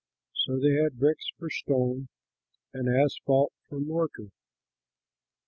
So they had bricks for stone and asphalt for mortar.